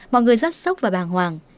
mọi người rất sốc và bàng hoàng